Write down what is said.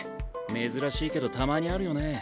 珍しいけどたまにあるよね。